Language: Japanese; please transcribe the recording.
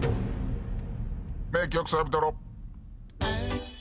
名曲サビトロ。